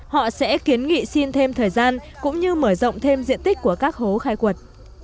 họ sẽ kiến nghị xin thêm thời gian cũng như mở rộng thêm diện tích của các hố khai quật